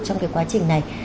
trong cái quá trình này